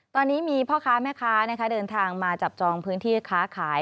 ตอนนี้มีพ่อค้าแม่ค้าเดินทางมาจับจองพื้นที่ค้าขาย